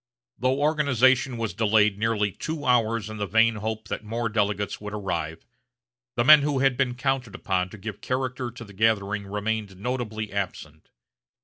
Though organization was delayed nearly two hours in the vain hope that more delegates would arrive, the men who had been counted upon to give character to the gathering remained notably absent.